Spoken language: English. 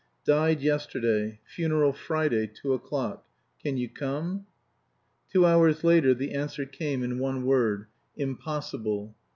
"Died yesterday. Funeral Friday, two o'clock. Can you come?" Two hours later the answer came in one word "Impossible."